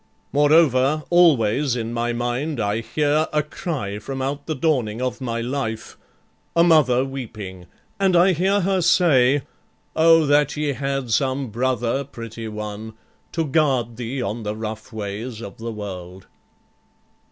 Moreover, always in my mind I hear A cry from out the dawning of my life, A mother weeping, and I hear her say, 'O that ye had some brother, pretty one, To guard thee on the rough ways of the world.'"